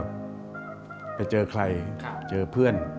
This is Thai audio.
ไปเจอใครเจอเพื่อน